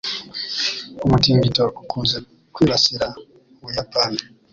Umutingito ukunze kwibasira Ubuyapani.